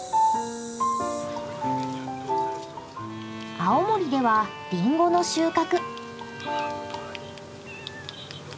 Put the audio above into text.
青森ではリンゴの収穫。